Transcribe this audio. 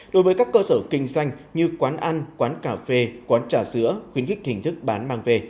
đối với các cơ sở kinh doanh như quán ăn quán cà phê quán trà sữa khuyến khích hình thức bán mang về